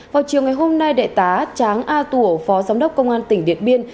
vào chiều ngày hôm nay đại tá tráng a tủa phó giám đốc công an tỉnh điện biên